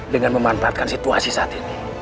dengan memanfaatkan situasi saat ini